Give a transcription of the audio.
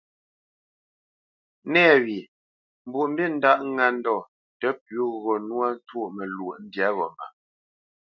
Nɛ̂wye Mbwoʼmbî ndáʼ ŋá ndɔ̂ tə pʉ̌ gho nwá ntwôʼ məlwɔʼ ndyǎ ghó mə.